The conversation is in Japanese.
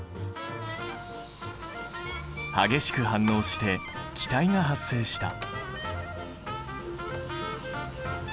激しく反応して気体が発生した。